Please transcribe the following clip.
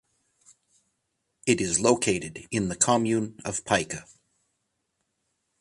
It is located in the Commune of Pica.